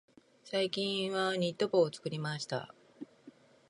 最近はニット帽を作りました。